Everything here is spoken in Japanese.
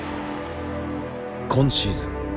今シーズン